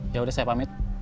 yaudah saya pamit